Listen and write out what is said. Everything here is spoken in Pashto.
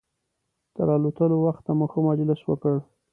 تر الوتلو وخته مو ښه مجلس وکړ.